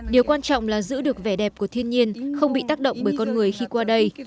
điều quan trọng là giữ được vẻ đẹp của thiên nhiên không bị tác động bởi con người khi qua đây